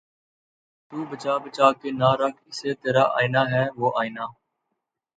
تو بچا بچا کے نہ رکھ اسے ترا آئنہ ہے وہ آئنہ